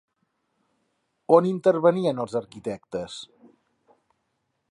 On intervenien els arquitectes?